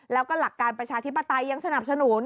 แล้วก็หลักการประชาธิปไตยยังสนับสนุน